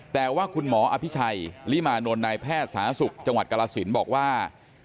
แต่ว่าคุณหมออภิชัยลิมานนท์นายแพทย์สาธารณสุขจังหวัดกรสินบอกว่า